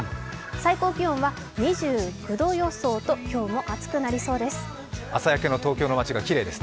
最高気温は２９度予想と今日も暑くなりそうです。